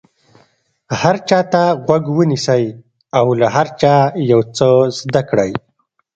هر چا ته غوږ ونیسئ او له هر چا یو څه زده کړئ.